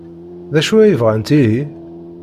D acu ay bɣant ihi?